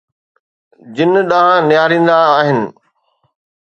جن ڏانهن نهاريندا آهن.